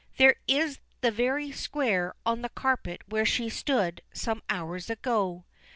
There is the very square on the carpet where she stood some hours ago.